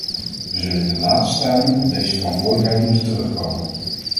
We zullen in een later stadium op deze verantwoordelijkheid moeten terugkomen.